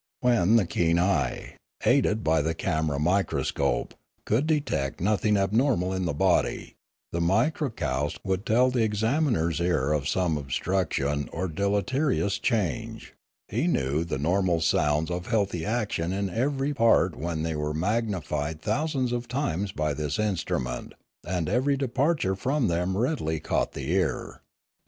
When the keen eye, aided by the camera microscope, could detect nothing abnormal in the body, the mikra koust would tell the examiner's ear of some obstruc tion or deleterious change; he knew the normal sounds of healthy action in every part when they were mag nified thousands of times by this instrument, and every departure from them readily caught the ear.